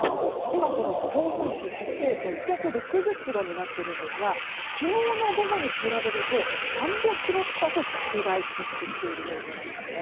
今、強風域は直径６６０ｋｍになっているんですが昨日の午後に比べると３００ｋｍ近く拡大してきている状況です。